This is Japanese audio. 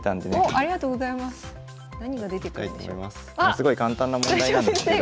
すごい簡単な問題なんですけど。